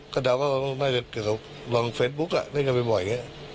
ก็เดาว่าเราต้องลองเฟสบุ๊คเล่นกันไปบ่อย